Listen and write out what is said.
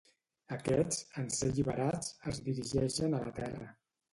Aquests, en ser alliberats, es dirigeixen a la Terra.